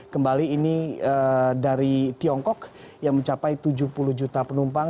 kembali ini dari tiongkok yang mencapai tujuh puluh juta penumpang